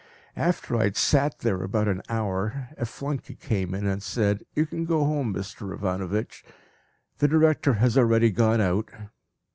After I had sat there about an hour, a flunkey came in and said, "You can go home, Mr Ivanovitch; the director has already gone out!"